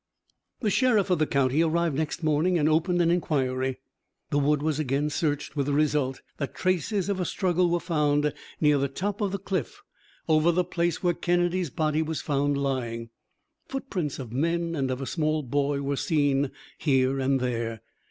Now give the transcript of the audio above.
The sheriff of the county arrived next morning and opened an inquiry. The wood was again searched, with the result that traces of a struggle were found near the top of the cliff, over the place where Kennedy's body was found lying. Footprints of men and of a small boy were seen here and there.